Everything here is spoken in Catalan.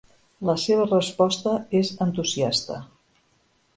La seva resposta és entusiasta.